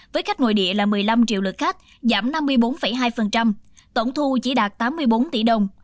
với khách nội địa là một mươi năm triệu lượt khách giảm năm mươi bốn hai tổng thu chỉ đạt tám mươi bốn tỷ đồng